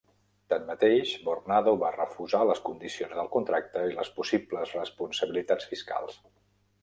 Tanmateix, Vornado va refusar les condicions del contracte i les possibles responsabilitats fiscals.